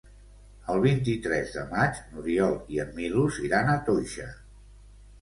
El vint-i-tres de maig n'Oriol i en Milos iran a Toixa.